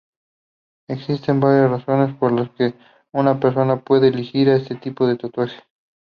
Existen varias razones por las que una persona puede elegir este tipo de tatuajes.